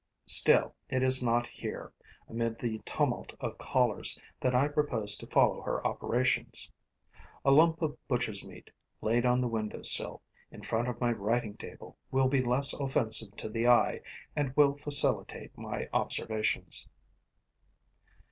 Still, it is not here, amid the tumult of callers, that I propose to follow her operations. A lump of butcher's meat laid on the window sill, in front of my writing table, will be less offensive to the eye and will facilitate my observations.